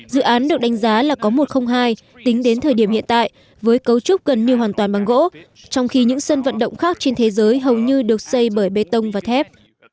dự án được đánh giá là có một trăm linh hai tính đến thời điểm hiện tại với cấu trúc gần như hoàn toàn bằng gỗ trong khi những sân vận động khác trên thế giới hầu như được xây bởi bê tông và thép